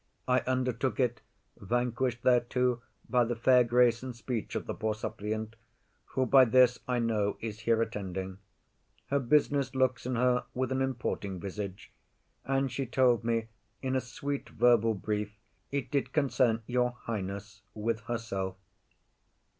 I undertook it, Vanquish'd thereto by the fair grace and speech Of the poor suppliant, who by this, I know, Is here attending: her business looks in her With an importing visage, and she told me In a sweet verbal brief, it did concern Your highness with herself.